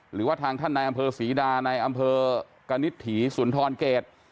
หรือว่าทางท่านนายอำเภอศรีดาในอำเภอกนิตถีสุนทรเกต